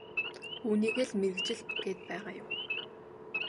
Үүнийгээ л мэргэжил гээд байгаа юм.